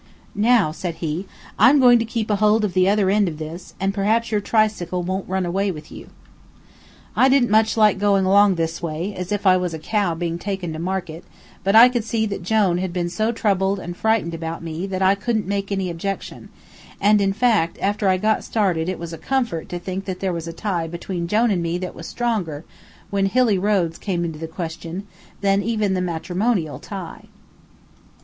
"Now," said he, "I'm going to keep hold of the other end of this, and perhaps your tricycle won't run away with you." I didn't much like going along this way, as if I was a cow being taken to market, but I could see that Jone had been so troubled and frightened about me that I didn't make any objection, and, in fact, after I got started it was a comfort to think there was a tie between Jone and me that was stronger, when hilly roads came into the question, than even the matrimonial tie.